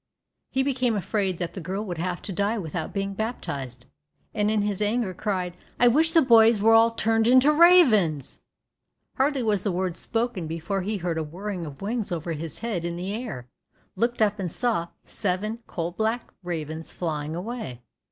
He became afraid that the girl would have to die without being baptized, and in his anger cried, "I wish the boys were all turned into ravens." Hardly was the word spoken before he heard a whirring of wings over his head in the air, looked up and saw seven coal black ravens flying away.